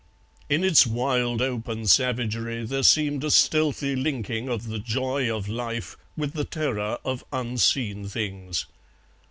In its wild open savagery there seemed a stealthy linking of the joy of life with the terror of unseen things.